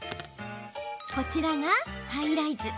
こちらがハイライズ。